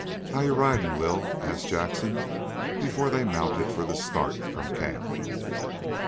"How're ye ridin', Will?" asked Jackson before they mounted for the start from camp.